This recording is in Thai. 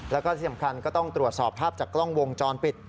แล้วก็ที่สำคัญก็ต้องตรวจสอบภาพจากกล้องวงจรปิด